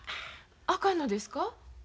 あかんのですか？